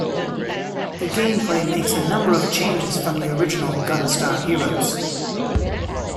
The gameplay makes a number of changes from the original "Gunstar Heroes".